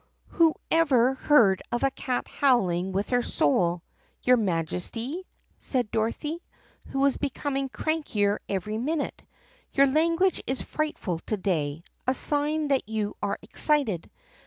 " 'Whoever heard of a cat howling with her soul, your Majesty"?' said Dorothy, who was becoming crankier every minute. 'Your language is frightful to day, a sign that you are excited.